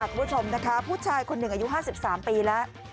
คุณผู้ชมนะคะผู้ชายคนหนึ่งอายุ๕๓ปีแล้ว